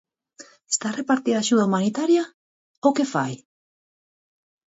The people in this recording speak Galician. Está a repartir axuda humanitaria ou que fai?